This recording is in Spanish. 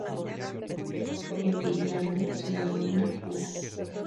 En fiyiano se denomina "kula".